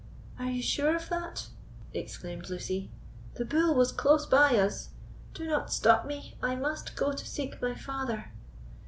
"Are you sure of that?" exclaimed Lucy. "The bull was close by us. Do not stop me: I must go to seek my father!"